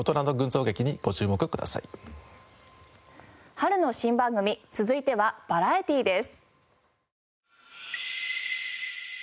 春の新番組続いてはバラエティです。